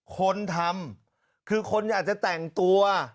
คนทำคือคนอยากจะแต่งตัว